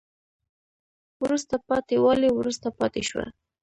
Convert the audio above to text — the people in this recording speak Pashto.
وروسته پاتې والی وروسته پاتې شوه